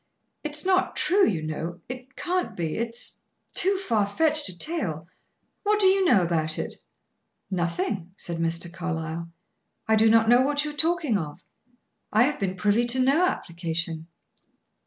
It's not true, you know; it can't be; it's too far fetched a tale. What do you know about it?" "Nothing," said Mr. Carlyle. "I do not know what you are talking of. I have been privy to no application."